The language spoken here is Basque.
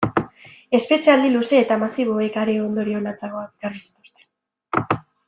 Espetxealdi luze eta masiboek are ondorio latzagoak ekarri zituzten.